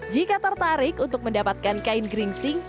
jika tertarik untuk mendapatkan kain geringsing